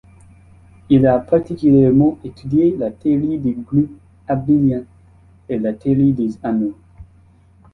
Il a particulièrement étudié la théorie des groupes abéliens et la théorie des anneaux.